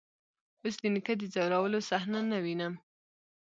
اوس د نيکه د ځورولو صحنه نه وينم.